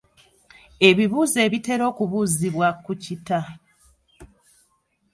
Ebibuuzo ebitera okubuuzibwa ku kita.